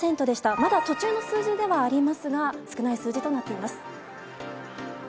まだ途中の数字ではありますが、少ない数字となっています。